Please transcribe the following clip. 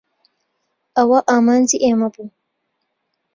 ئەوە ئامانجی ئێمە بوو.